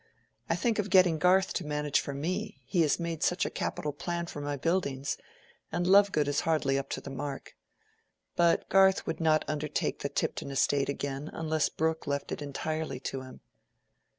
I think of getting Garth to manage for me—he has made such a capital plan for my buildings; and Lovegood is hardly up to the mark. But Garth would not undertake the Tipton estate again unless Brooke left it entirely to him."